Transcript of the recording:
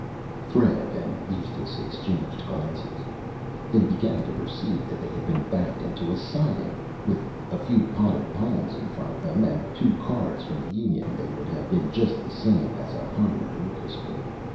Fred and Eustace exchanged Glances. They began to Perceive that they had been backed into a Siding. With a few Potted Palms in front of them, and two Cards from the Union, they would have been just the same as a Hired Orchestra.